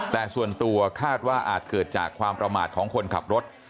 แต่ส่วนตัวคาดว่าอาจเกิดจากความประมาทของคนขับรถ